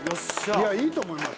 いやいいと思います。